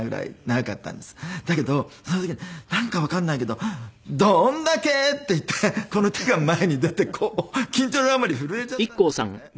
だけどその時なんかわかんないけど「どんだけ！」って言ってこの手が前に出てこう緊張のあまり震えちゃったんですよね。